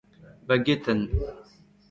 bagetenn